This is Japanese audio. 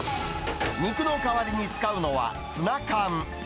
肉の代わりに使うのはツナ缶。